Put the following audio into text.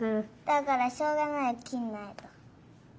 だからしょうがないきんないと。